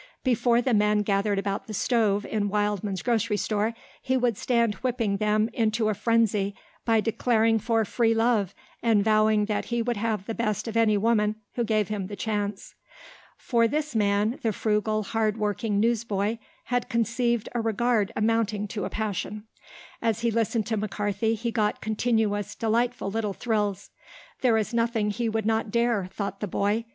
Before the men gathered about the stove in Wildman's grocery store he would stand whipping them into a frenzy by declaring for free love, and vowing that he would have the best of any woman who gave him the chance. For this man the frugal, hard working newsboy had conceived a regard amounting to a passion. As he listened to McCarthy he got continuous delightful little thrills. "There is nothing he would not dare," thought the boy.